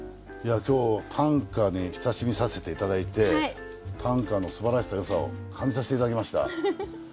いや今日短歌に親しみさせて頂いて短歌のすばらしさよさを感じさせて頂きました。